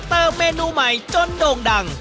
เมนูใหม่จนโด่งดัง